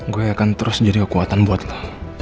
gue akan terus jadi kekuatan buat lo